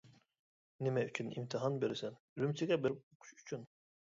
-نېمە ئۈچۈن ئىمتىھان بېرىسەن؟ -ئۈرۈمچىگە بېرىپ ئوقۇش ئۈچۈن.